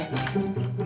ya udah betul